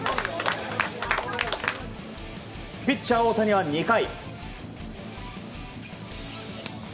ピッチャー大谷は２回。